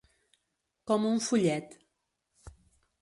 Com un follet.